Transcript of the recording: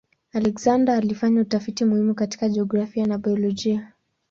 Alexander alifanya utafiti muhimu katika jiografia na biolojia.